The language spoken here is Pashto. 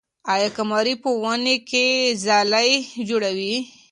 آیا قمري په ونې کې ځالۍ جوړوي؟